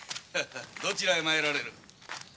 どちらへ参られる？